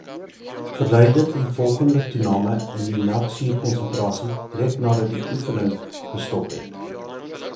Verduidelik die volgehoue toename in die melksuurkonsentrasie direk nadat die oefening gestop het.